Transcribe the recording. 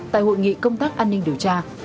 tại hội nghị công tác an ninh điều tra